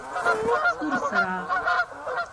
سور څراغ: